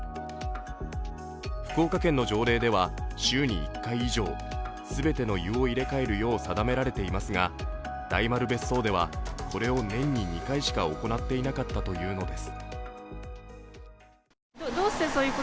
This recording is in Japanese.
福岡県の条例では週に１回以上全ての湯を入れ替えるよう定められていＭ差卯が大丸別荘ではこれを年に２回しか行っていなかったというのです。